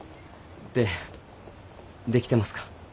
で出来てますか？